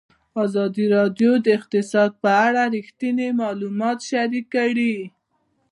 ازادي راډیو د اقتصاد په اړه رښتیني معلومات شریک کړي.